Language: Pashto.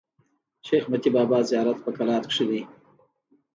شېخ متي بابا زیارت په کلات کښي دﺉ.